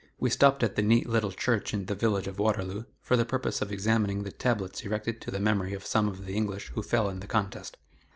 We stopped at the neat little church in the village of Waterloo, for the purpose of examining the tablets erected to the memory of some of the English who fell in the contest.